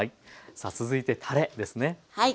さあ続いてたれですね。